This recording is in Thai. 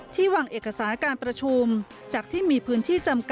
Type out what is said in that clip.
ที่วังเอกสารการประชุม